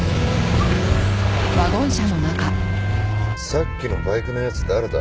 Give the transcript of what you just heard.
さっきのバイクのやつ誰だ？